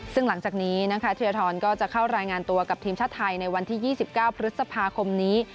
ซึ่งหลังจากนี้นะคะเทียทรก็จะเข้ารายงานตัวกับทีมชาติไทยในวันที่๒๙พฤษภาคมนี้